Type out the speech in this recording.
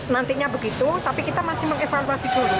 nantinya begitu tapi kita masih mengevaluasi dulu